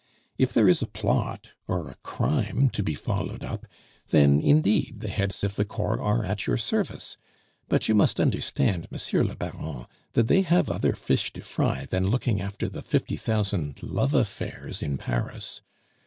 "If there is a plot or a crime to be followed up, then, indeed, the heads of the corps are at your service; but you must understand, Monsieur le Baron, that they have other fish to fry than looking after the fifty thousand love affairs in Paris.